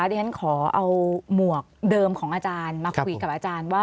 ดิฉันขอเอาหมวกเดิมของอาจารย์มาคุยกับอาจารย์ว่า